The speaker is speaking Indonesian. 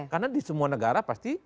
karena di semua negara pasti